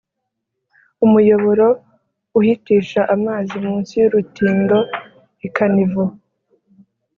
umuyoboro uhitisha amazi munsi y’urutindo, ikanivo